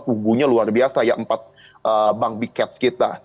kugunya luar biasa ya empat bank big caps kita